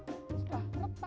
terima kasih informasinya